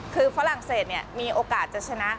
คือฝรั่งเศสมีโอกาสจะชนะ